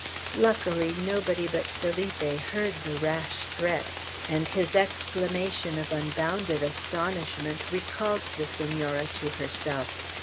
Luckily, nobody but Felipe heard the rash threat, and his exclamation of unbounded astonishment recalled the Senora to herself.